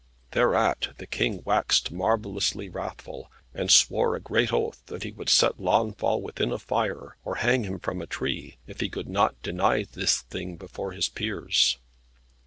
Thereat the King waxed marvellously wrathful, and swore a great oath that he would set Launfal within a fire, or hang him from a tree, if he could not deny this thing, before his peers.